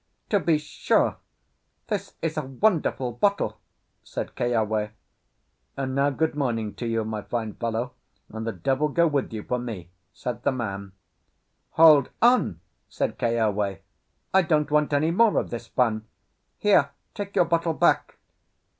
"To be sure this is a wonderful bottle," said Keawe. "And now good morning to you, my fine fellow, and the devil go with you for me!" said the man. "Hold on," said Keawe, "I don't want any more of this fun. Here, take your bottle back."